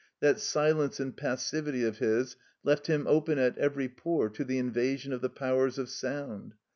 That silence and passivity of his left him open at every pore to the invasion of the powers of sound.